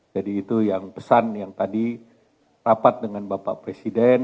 jadi itu yang pesan yang tadi rapat dengan bapak presiden